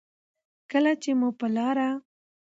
کله چې مو په لاره